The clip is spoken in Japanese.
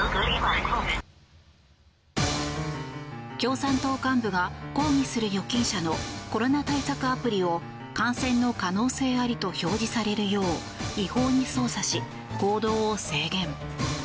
共産党幹部が抗議する預金者のコロナ対策アプリを感染の可能性ありと表示されるよう違法に操作し、行動を制限。